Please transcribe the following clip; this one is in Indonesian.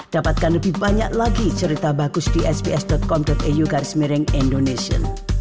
dapatkan lebih banyak lagi cerita bagus di sbs com au garis mering indonesia